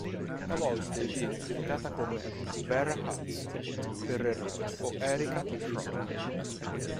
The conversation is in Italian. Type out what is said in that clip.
A volte viene accreditata come Berra Hudson per errore o Erica Schroeder.